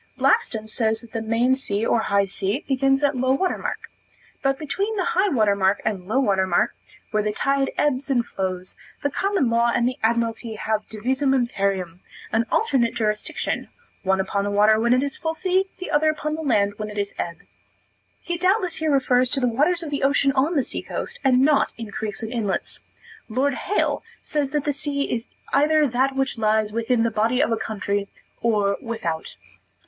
Blackstone says that the main sea or high sea begins at low water mark. But between the high water mark and low water mark, where the tide ebbs and flows, the common law and the Admiralty have divisum imperium, an alternate jurisdiction, one upon the water when it is full sea; the other upon the land when it is ebb. He doubtless here refers to the waters of the ocean on the sea coast, and not in creeks and inlets. Lord Hale says that the sea is either that which lies within the body of a country or without.